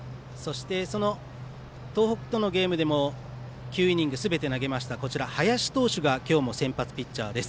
そして、その東北とのゲームでも９イニングすべて投げましたこちら林投手が今日も先発ピッチャーです。